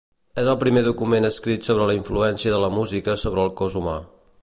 És el primer document escrit sobre la influència de la música sobre el cos humà.